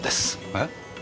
えっ？